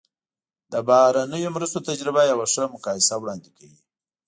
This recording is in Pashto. د بهرنیو مرستو تجربه یوه ښه مقایسه وړاندې کوي.